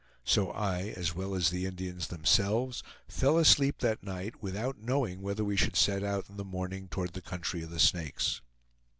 So I, as well as the Indians themselves, fell asleep that night without knowing whether we should set out in the morning toward the country of the Snakes.